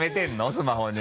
スマホに。